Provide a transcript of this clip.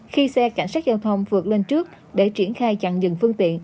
khi xe cảnh sát giao thông vượt lên trước để triển khai chặn dừng phương tiện